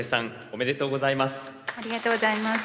おめでとうございます。